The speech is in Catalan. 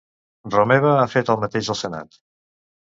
Romeva ha fet el mateix al Senat.